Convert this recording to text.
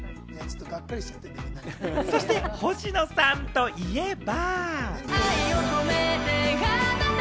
そして、ほしのさんといえば。